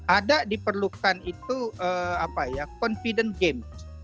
ada diperlukan itu confident game